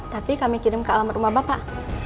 tapi kami kirim ke alamat rumah bapak